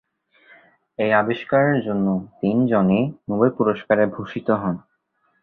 এই আবিষ্কারের জন্য তিন জনই নোবেল পুরস্কারে ভূষিত হন।